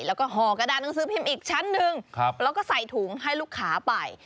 แล้วก็ห่อกระดาษหนังสือพิมพ์อีกชั้นหนึ่งแล้วก็ใส่ถุงให้ลูกค้าไป